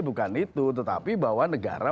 bukan itu tetapi bahwa negara